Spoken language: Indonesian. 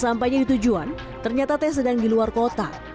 sesampainya ditujuan ternyata t sedang di luar kota